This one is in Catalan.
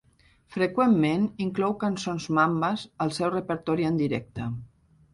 Freqüentment inclou cançons mambes al seu repertori en directe.